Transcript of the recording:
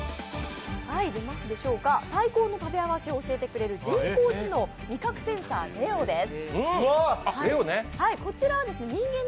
最高の食べ合わせを教えてくれる人工知能、味覚センサーレオです。